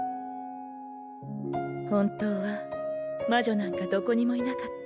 本当は魔女なんかどこにもいなかった。